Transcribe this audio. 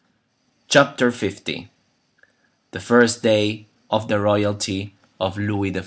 Chapter L: The First Day of the Royalty of Louis XIV.